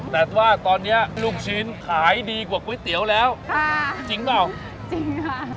แต่ว่าตอนนี้ลูกชิ้นขายดีกว่าก๋วยเตี๋ยวแล้วค่ะจริงเปล่าจริงค่ะ